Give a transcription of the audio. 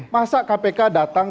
masa kpk datang